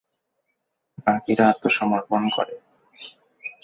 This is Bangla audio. বাকিরা আত্মসমর্পণ করে।